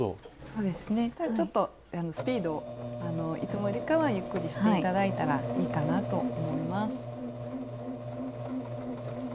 そうですねじゃあちょっとスピードをいつもよりかはゆっくりして頂いたらいいかなと思います。